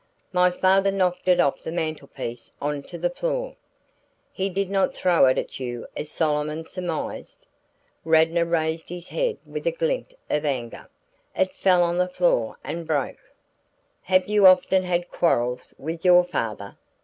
"My father knocked it off the mantelpiece onto the floor." "He did not throw it at you as Solomon surmised?" Radnor raised his head with a glint of anger. "It fell on the floor and broke." "Have you often had quarrels with your father?"